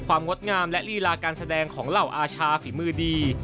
การแสดงของเหล่าอาชาฝีมือดี